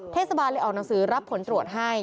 ไทยสถาบันเลยออกหนังสือรับผลตรวจให้